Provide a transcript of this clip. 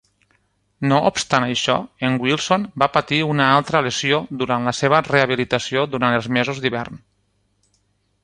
No obstant això, en Wilson va patir una altra lesió durant la seva rehabilitació durant els mesos d'hivern.